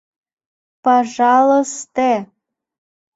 Па-жа-лыс-те!